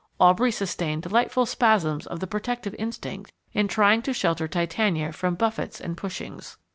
Aubrey sustained delightful spasms of the protective instinct in trying to shelter Titania from buffets and pushings.